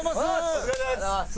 お疲れさまです！